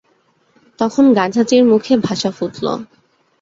তখন গাধাটির মুখে ভাষা ফুটল।